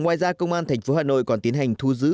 ngoài ra công an tp hà nội còn tiến hành thu giữ